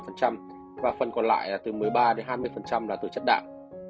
và phần còn lại là từ một mươi ba đến hai mươi là từ chất đạm